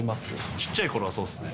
ちっちゃいころはそうですね。